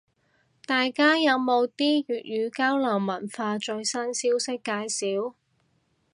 大家有冇啲粵語流行文化最新消息介紹？